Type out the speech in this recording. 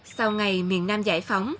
sau ngày miền nam giải phóng